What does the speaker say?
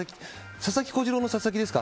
佐々木小次郎の佐々木ですか？